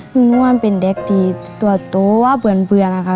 เมื่อวานเป็นแด็คต์ที่ตัวโต้เปลือนนะคะ